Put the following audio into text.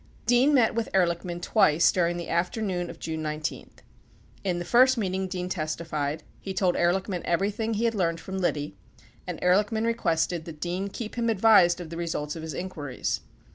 90 Dean met with Ehrlichman twice during the afternoon of J une 19. In the first meeting, Dean testified, he told Ehrlichman everything he had learned from Liddy, and Ehrlichman requested that Dean keep him advised of the results of his inquiries.